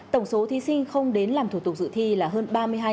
tổng số thí sinh không đến làm thủ tục dự thi là hơn ba mươi hai hai trăm linh